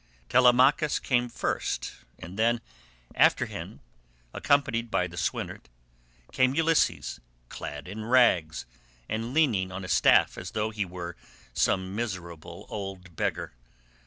Telemachus came first, and then after him, accompanied by the swineherd, came Ulysses, clad in rags and leaning on a staff as though he were some miserable old beggar.